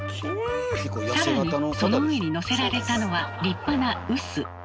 更にその上にのせられたのは立派な臼。